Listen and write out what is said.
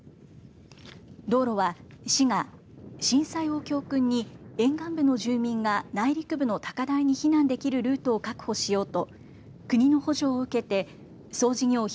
道路は市が震災を教訓に沿岸部の住民が内陸部の高台に避難できるルートを確保しようと国の補助を受けて総事業費